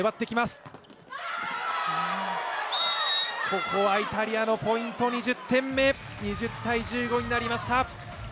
ここはイタリアのポイント、２０−１５になりました。